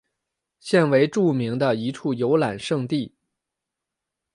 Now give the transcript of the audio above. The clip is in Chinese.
现为著名的一处游览胜地。